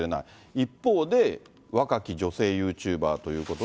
一方で、若き女性ユーチューバーということで。